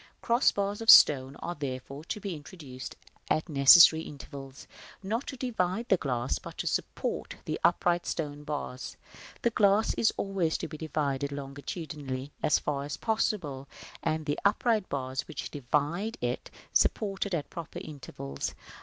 Cross bars of stone are, therefore, to be introduced at necessary intervals, not to divide the glass, but to support the upright stone bars. The glass is always to be divided longitudinally as far as possible, and the upright bars which divide it supported at proper intervals.